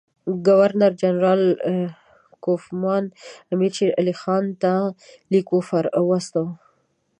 ګورنر جنرال کوفمان امیر شېرعلي خان ته لیک واستاوه.